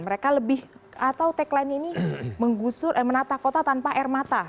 mereka lebih atau tagline ini menggusur eh menata kota tanpa air mata